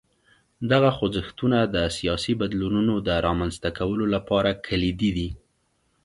دغه خوځښتونه د سیاسي بدلونونو د رامنځته کولو لپاره کلیدي دي.